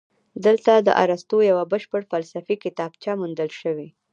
دلته د ارسطو یوه بشپړه فلسفي کتابچه موندل شوې